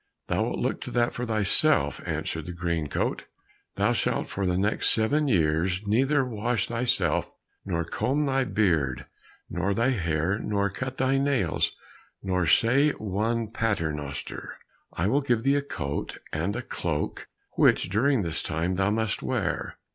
"Thou wilt look to that for thyself," answered Greencoat; "thou shalt for the next seven years neither wash thyself, nor comb thy beard, nor thy hair, nor cut thy nails, nor say one paternoster. I will give thee a coat and a cloak, which during this time thou must wear.